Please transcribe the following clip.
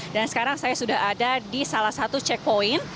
dan sekarang saya sudah ada di salah satu checkpoint